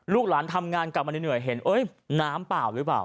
ลูกหลานทำงานกลับมาเหนื่อยเห็นน้ำเปล่าหรือเปล่า